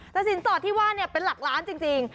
แต่สินสอดที่ว่าเป็นหลักล้านจริง